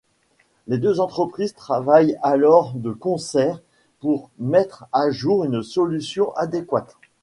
Les deux entreprises travaillent alors de concert pour mettre à jour une solution adéquate.